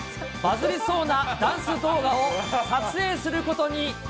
バズりそうなダンス動画を撮影することに。